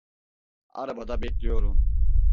Arabada bekliyorum.